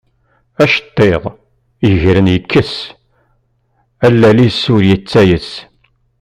Acettiḍ, yegren yekkes, a lall-is ur ttayes.